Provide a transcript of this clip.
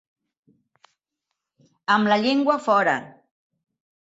Amb la llengua fora.